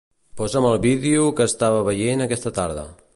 Posa'm el vídeo que estava veient aquesta tarda.